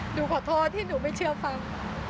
หนูขอโทษที่หนูไม่เชื่อฟัง